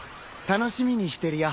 楽しみにしてるよ。